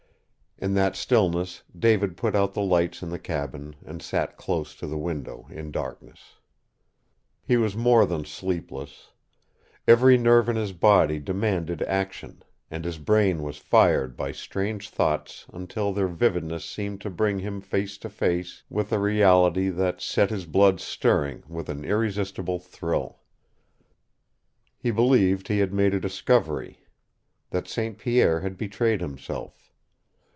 In that stillness David put out the lights in the cabin and sat close to the window in darkness. He was more than sleepless. Every nerve in his body demanded action, and his brain was fired by strange thoughts until their vividness seemed to bring him face to face with a reality that set his blood stirring with an irresistible thrill. He believed he had made a discovery, that St. Pierre had betrayed himself.